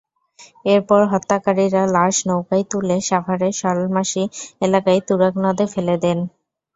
এরপর হত্যাকারীরা লাশ নৌকায় তুলে সাভারের সলমাশি এলাকায় তুরাগ নদে ফেলে দেন।